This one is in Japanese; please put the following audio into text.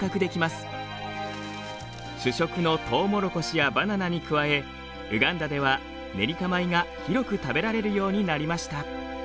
主食のトウモロコシやバナナに加えウガンダではネリカ米が広く食べられるようになりました。